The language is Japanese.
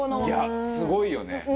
いやすごいよね。